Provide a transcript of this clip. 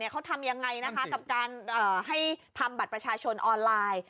เขาทำยังไงนะคะกับการให้ทำบัตรประชาชนออนไลน์